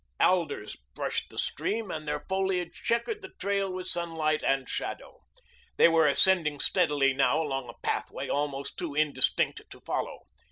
Alders brushed the stream and their foliage checkered the trail with sunlight and shadow. They were ascending steadily now along a pathway almost too indistinct to follow.